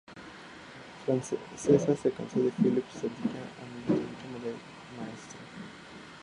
Francesca se casó con Felip Capdevila, amigo íntimo del maestro.